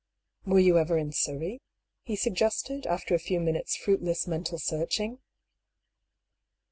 " Were you ever in Surrey? " he suggested, after a few minutes' fruitless mental searching.